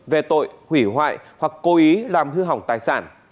về tội hủy hoại hoặc cố ý làm hư hỏng tài sản